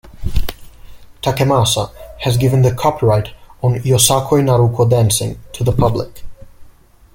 Takemasa has given the copyright on "Yosakoi Naruko Dancing" to the public.